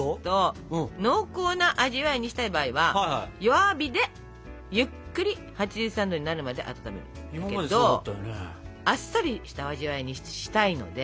濃厚な味わいにしたい場合は弱火でゆっくり８３℃になるまで温めるんだけどあっさりした味わいにしたいので。